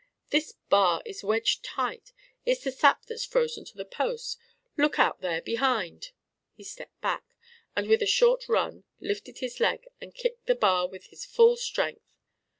"This bar is wedged tight. It's the sap that's frozen to the post. Look out there behind!" He stepped back, and, with a short run, lifted his leg and kicked the bar with his full strength.